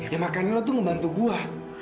ya makannya lo tuh ngebantu gue